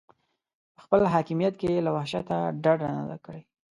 په خپل حاکمیت کې یې له وحشته ډډه نه ده کړې.